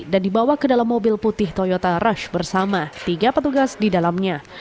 dan dibawa ke dalam mobil putih toyota rush bersama tiga petugas di dalamnya